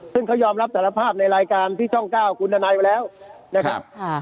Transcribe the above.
ซึ่งเขายอมรับสารภาพในรายการที่ช่อง๙คุณทนายไปแล้วนะครับ